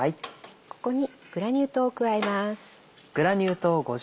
ここにグラニュー糖を加えます。